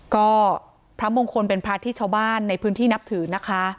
ก็พระมงคลเป็นพระที่ชาวบ้านในพื้นที่นับถือนะคะ